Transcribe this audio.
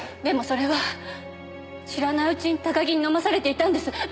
でもそれは知らないうちに高木に飲まされていたんです。